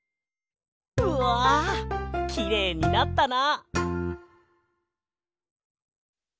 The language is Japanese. うわきれいになったな！